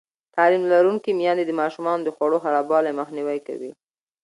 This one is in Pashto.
تعلیم لرونکې میندې د ماشومانو د خوړو خرابوالی مخنیوی کوي.